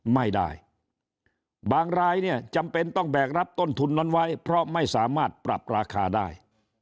ไม่ได้บางรายเนี่ยจำเป็นต้องแบกรับต้นทุนนั้นไว้เพราะไม่สามารถปรับราคาได้